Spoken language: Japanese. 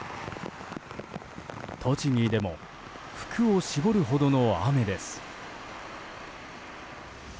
栃木でも服を絞るほどの雨です。